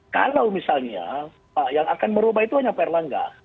kalau misalnya yang akan merubah itu hanya pak erlangga